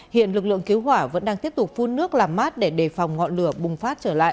hiện lực lượng cứu hỏa vẫn đang tiếp tục phun nước làm mát để đề phòng ngọn lửa bùng phát trở lại